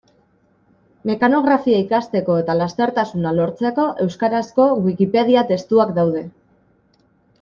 Mekanografia ikasteko eta lastertasuna lortzeko euskarazko Wikipediako testuak daude.